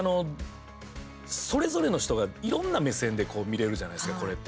それぞれの人がいろんな目線で見れるじゃないですかこれって。